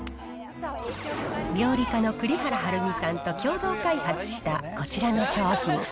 料理家の栗原はるみさんと共同開発したこちらの商品。